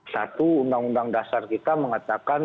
satu undang undang dasar kita mengatakan